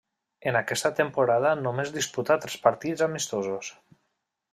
En aquesta temporada només disputà tres partits amistosos.